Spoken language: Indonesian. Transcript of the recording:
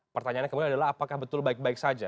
pertanyaannya kemudian adalah apakah betul baik baik saja